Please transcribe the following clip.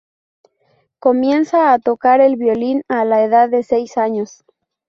Comienza a tocar el violín a la edad de seis años.